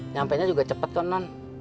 nyampe nya juga cepet kan non